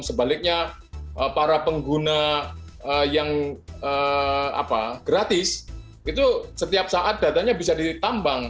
sebaliknya para pengguna yang gratis itu setiap saat datanya bisa ditambang